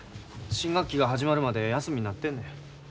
新学期が始まるまで休みになってるのや。